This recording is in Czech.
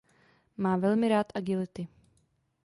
Má velmi rád agility.